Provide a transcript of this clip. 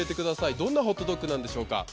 どんなホットドックなんでしょうか？